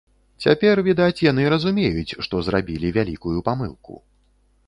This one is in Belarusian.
Цяпер, відаць, яны разумеюць, што зрабілі вялікую памылку.